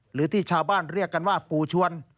หรือที่ชาวบ้านเรียกกันว่าปู่ชวน